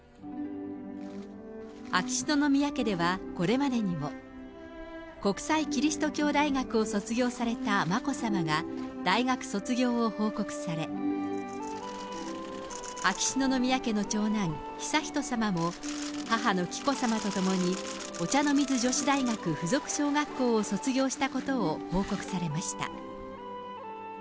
秋篠宮家では、これまでにも、国際基督教大学を卒業された眞子さまが大学卒業を報告され、秋篠宮家の長男、悠仁さまも、母の紀子さまと共にお茶の水女子大学附属小学校を卒業したことを報告されました。